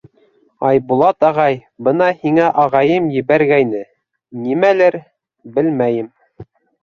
— Айбулат ағай, бына һиңә ағайым ебәргәйне, нимәлер, белмәйем.